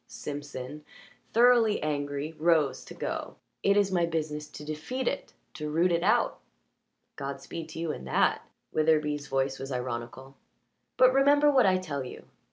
Simpson, thoroughly angry, rose to go. "It is my business to defeat it to root it out." "Godspeed to you in that" Witherbee's voice was ironical. "But remember what I tell you.